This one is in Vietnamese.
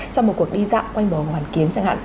trong một cuộc đi dạo quanh bờ hồ hoàn kiếm chẳng hạn